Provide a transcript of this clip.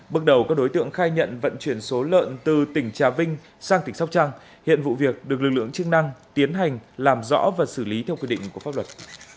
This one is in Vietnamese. bước đầu các đối tượng khai nhận vận chuyển số lợn từ tỉnh trà vinh sang tỉnh sóc trăng hiện vụ việc được lực lượng chức năng tiến hành làm rõ và xử lý theo quy định của pháp luật